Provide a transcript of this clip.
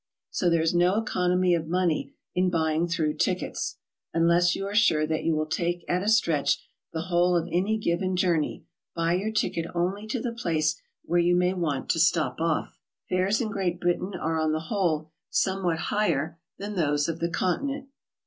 So there is no economy of money in buying through tickets. Unless you are sure that you will take at a stretch the whole of any given journey, buy your ticket only to the place where you may want to stop off. Fares in Great Britain are on the whole somewhat higher than those of the Continent.